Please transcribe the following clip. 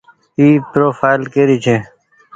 اي پروڦآئل ڪري ڇي۔